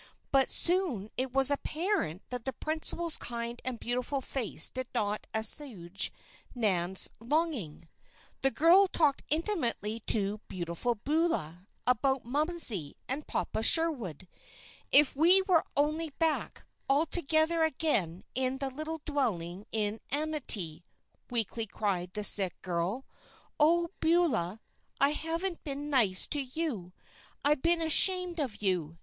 But soon it was apparent that the principal's kind and beautiful face did not assuage Nan's longing. The girl talked intimately to "Beautiful Beulah" about "Momsey" and "Papa Sherwood." "If we were only back, all together again, in the little dwelling in amity," weakly cried the sick girl. "Oh, Beulah! I haven't been nice to you. I've been ashamed of you!